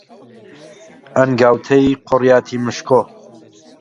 ئەنگاوتەی قۆریاتی مشکۆ،